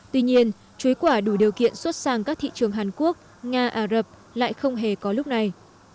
tuy nhiên chuối quả đủ điều kiện xuất sang các thị trường hàn quốc nga ả rập lại không hề có lúc này